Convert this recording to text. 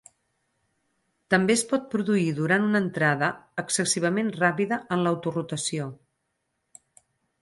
També es pot produir durant una entrada excessivament ràpida en l'autorotació.